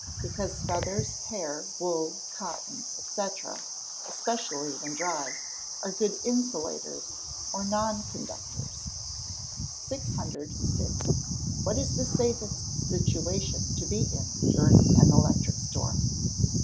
_ Because feathers, hair, wool, cotton, &c., especially when dry, are good insulators or non conductors. 606. _What is the safest situation to be in during an electric storm?